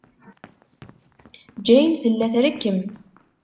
Jane tella trekkem.